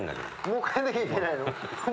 もう帰んなきゃいけないの？